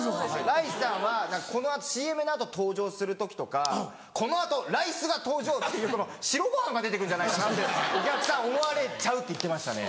ライスさんはこの後ＣＭの後登場する時とか「この後ライスが登場！」って白ご飯が出て来るんじゃないかなってお客さん思われちゃうって言ってましたね。